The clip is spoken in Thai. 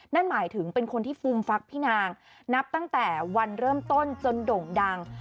นั่นหมายถึงเป็นคนที่ฟูมฟักพี่นางนับตั้งแต่วันเริ่มต้นจนโด่งดัง